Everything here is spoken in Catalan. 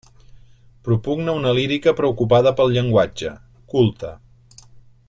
Propugna una lírica preocupada pel llenguatge, culta.